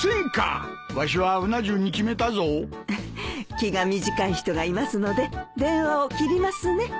気が短い人がいますので電話を切りますね。